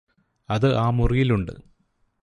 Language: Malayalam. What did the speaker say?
അത് ആ മുറിയിലുണ്ട്